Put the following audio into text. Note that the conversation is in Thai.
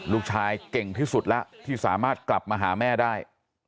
ลูกชายเก่งที่สุดแล้วที่สามารถกลับมาหาแม่ได้